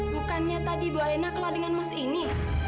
bukannya tadi ibu alena keluar dengan mas ini